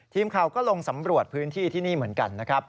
ทีมข่าวก็ลงสำรวจพื้นที่ที่นี่เหมือนกันนะครับ